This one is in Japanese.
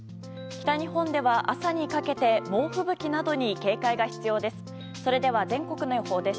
北日本では朝にかけて猛吹雪などに警戒が必要です。